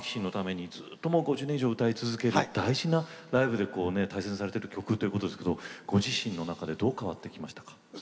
もうずっと５０年以上、歌い続ける、大事なライブで大切にされてる曲ってことですけどご自身の中でどう変わっていきましたか？